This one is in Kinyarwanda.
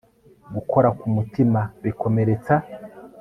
Gukora ku mutima bikomeretsa